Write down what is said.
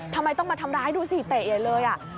ทำไมต้องมาทำร้ายดูสิเตะใหญ่เลย